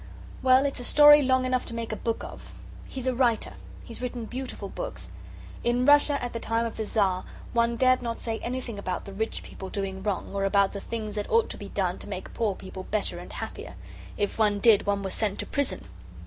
"Well, it's a story long enough to make a whole book of. He's a writer; he's written beautiful books. In Russia at the time of the Czar one dared not say anything about the rich people doing wrong, or about the things that ought to be done to make poor people better and happier. If one did one was sent to prison."